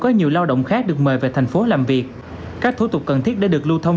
có nhiều lao động khác được mời về thành phố làm việc các thủ tục cần thiết để được lưu thông